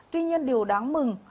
tuy nhiên điều đáng mừng